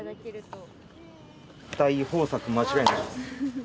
大豊作間違いなし。